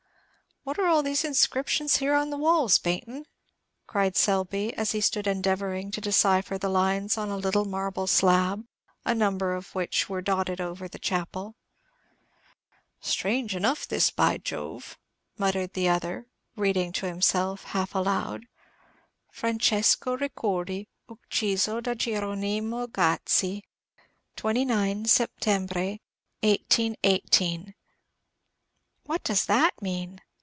"What are all these inscriptions here on the walls, Baynton?" cried Selby, as he stood endeavoring to decipher the lines on a little marble slab, a number of which were dotted over the chapel. "Strange enough this, by Jove!" muttered the other, reading to himself, half aloud, "'Francesco Ricordi, ucciso da Gieronimo Gazzi, 29 Settembre, 1818.'" "What does that mean?"